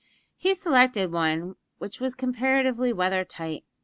He selected one which was comparatively weather tight.